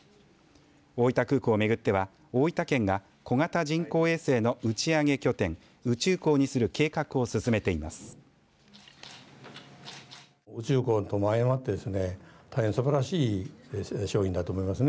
大分空港をめぐっては大分県が小型人工衛星の打ち上げ拠点宇宙港にする計画を進めています。